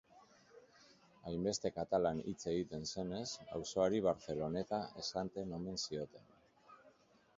Hainbeste katalan hitz egiten zenez, auzoari Barceloneta esaten omen zioten.